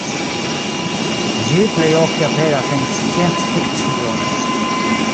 Ĝi plej ofte aperas en scienc-fikcio.